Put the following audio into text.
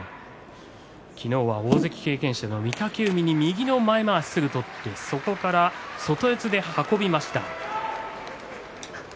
昨日は大関経験者の御嶽海に右の前まわし取ってそこから外四つで運びました。